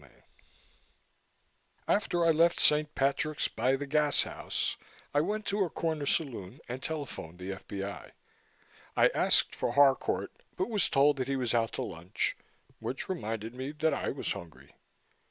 CHAPTER 31 After I left St. Patrick's by the Gashouse I went to a corner saloon and telephoned the F.B.I. I asked for Harcourt but was told that he was out to lunch, which reminded me that I was hungry.